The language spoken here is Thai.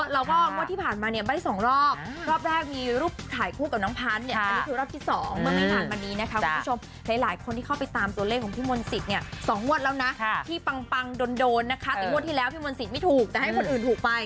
รอดที่สองรอบรอบแรกมีรูปถ่ายคู่กับน้องพันธ์เนี่ยคือรอบที่สองเมื่อไม่หลังมานี้นะคะคุณผู้ชมใครหลายคนที่เข้าไปตามตัวเลขของพี่มนศิษย์เนี่ยสองวัดแล้วนะที่ปังปังโดนนะคะที่วัดที่แล้วพี่มนศิษย์ไม่ถูกแต่ให้คนอื่นถูกไป